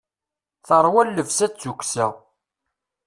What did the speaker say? Terwa llebsa d tukksa.